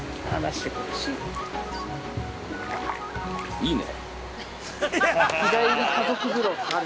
◆いいね。